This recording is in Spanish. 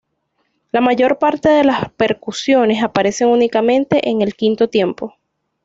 La mayor parte de las percusiones aparecen únicamente en el quinto tiempo.